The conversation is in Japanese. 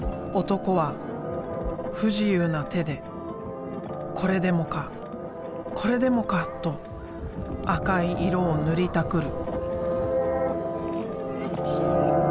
男は不自由な手でこれでもかこれでもか！と赤い色を塗りたくる。